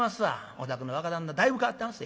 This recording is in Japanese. お宅の若旦那だいぶ変わってまっせ。